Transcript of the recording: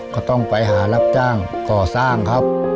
ก็ต้องไปหารับจ้างก่อสร้างครับ